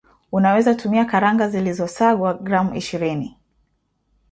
unaweza tumia karanga zilizosangwa gram ishirini